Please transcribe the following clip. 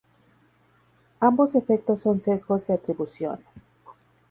Ambos efectos son sesgos de atribución.